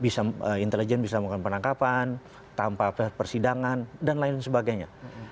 sekeras persidangan dan lain sebagainya